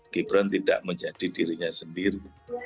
gibran tidak menjadi dirinya sendiri